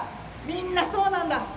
みんなそうなんだ。